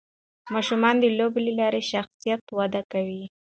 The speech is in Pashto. ماشومان د لوبو له لارې شخصیت وده کوي.